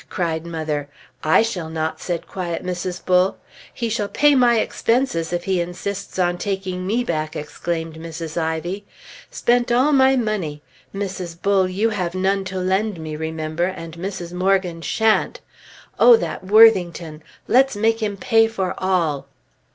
cried mother. "I shall not," said quiet Mrs. Bull. "He shall pay my expenses if he insists on taking me back!" exclaimed Mrs. Ivy. "Spent all my money! Mrs. Bull, you have none to lend me, remember, and Mrs. Morgan shan't! Oh, that Worthington! Let's make him pay for all!"